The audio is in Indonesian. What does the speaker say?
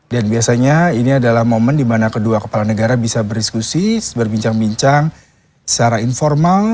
dan biasanya ini adalah momen di mana kedua kepala negara bisa berdiskusi berbincang bincang secara informal